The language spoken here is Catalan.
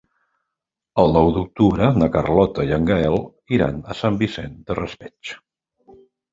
El nou d'octubre na Carlota i en Gaël iran a Sant Vicent del Raspeig.